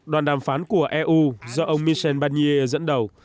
đoàn đàm phán của eu do ông michel barnier dẫn đầu